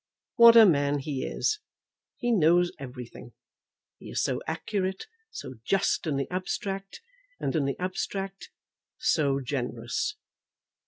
What a man he is! He knows everything. He is so accurate; so just in the abstract, and in the abstract so generous!"